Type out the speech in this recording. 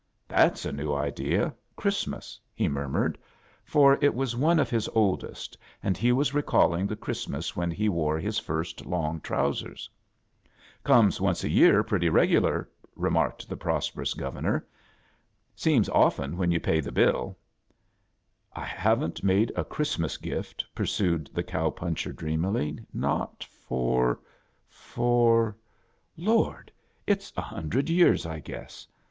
"That's a new idea ^Qiriat mas," he murmured, for it was one of his oldest, and he was recalling the Christmas when he wore his first long trousers. Comes once a year pretty r^ular," remarked the ptoepet6m\ ' Governor. " Seenu often when;>^ payi^e.l^^; ." I haven't" qliile. "a' Christmas •""gif^''. pursued the/cowi jjuncher, dreamily, " not", for — for — ^Lordl it's a hundred year^";I ' guess.